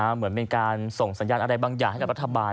เหมือนเป็นการส่งสัญญาณอะไรบางอย่างให้กับรัฐบาล